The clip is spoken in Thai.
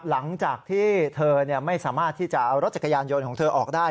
หลังจากที่เธอไม่สามารถที่จะเอารถจักรยานยนต์ของเธอออกได้